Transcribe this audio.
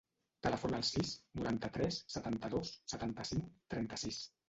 Telefona al sis, noranta-tres, setanta-dos, setanta-cinc, trenta-sis.